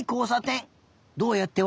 どうやってわたる？